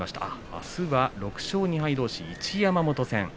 あすは６勝２敗どうし、一山本戦。